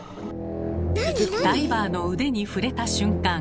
ダイバーの腕に触れた瞬間。